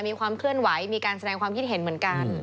มีความเคลื่อนไหวมีการแสดงความคิดเห็นเหมือนกัน